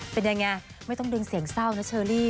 เป็นยังไงไม่ต้องดึงเสียงเศร้านะเชอรี่